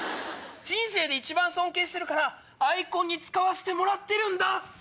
人生で一番尊敬してるからアイコンに使わせてもらってるんだ。